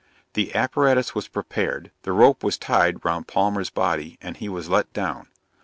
The apparatus was prepared; the rope was tied round Palmer's body, and he was let down.